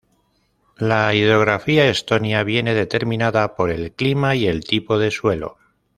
La hidrografía estonia viene determinada por el clima y el tipo de suelo.